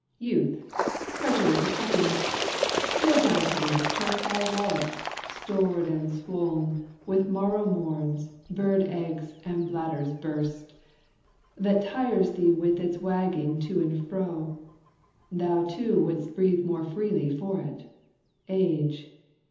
"Youth ! credulous of happiness, throw down Upon this turf thy wallet, — stored and swolu With morrow morns, bird eggs, and bladders burst — That tires thee with its wagging to and fro : Thou too wouldst breathe more freely for it. Age